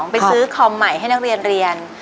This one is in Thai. ไปซื้อคอมใหม่ให้นักเรียน